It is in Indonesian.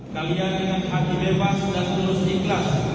kalian dengan hati bebas dan terus ikhlas